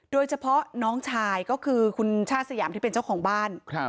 โดยเฉพาะน้องชายก็คือคุณชาติสยามที่เป็นเจ้าของบ้าน